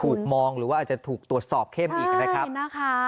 ถูกมองหรือว่าอาจจะถูกตรวจสอบเข้มอีกนะครับ